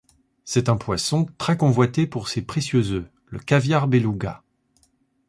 C'est un poisson très convoité pour ses précieux œufs, le caviar bélouga.